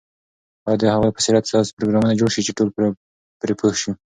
باید د هغوی په سیرت داسې پروګرامونه جوړ شي چې ټول پرې پوه شي.